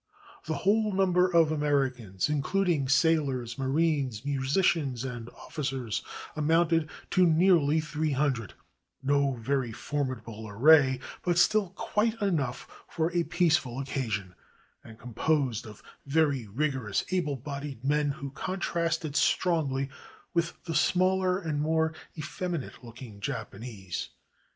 The whole number of Americans, including sailors, ma rines, musicians, and ofl&cers, amounted to nearly three hundred; no very formidable array, but still quite enough for a peaceful occasion, and composed of very vigorous, able bodied men, who contrasted strongly with the smaller and more effeminate looking Japanese.